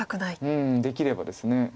うんできればです。